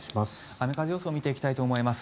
雨風予想見ていきたいと思います。